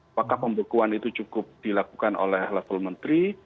apakah pembekuan itu cukup dilakukan oleh level menteri